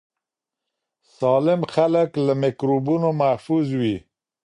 سالم خلک له میکروبونو محفوظ وي.